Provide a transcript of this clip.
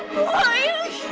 buat ayo ikut kemana